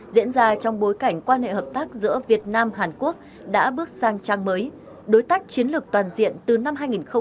diễn ra trong bối cảnh quan hệ hợp tác giữa việt nam hàn quốc đã bước sang trang mới đối tác chiến lược toàn diện từ năm hai nghìn một mươi một